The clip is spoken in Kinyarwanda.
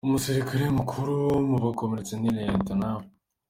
Umusirikare mukuru mu bakomeretse ni Lt.